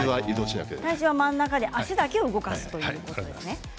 体重は真ん中で足だけ動かすということですね。